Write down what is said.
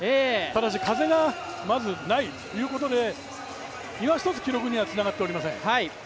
ただし、風がないということでいまひとつ記録にはつながっていません。